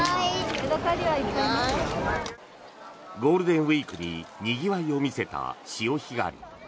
ゴールデンウィークににぎわいを見せた潮干狩り。